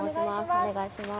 お願いします。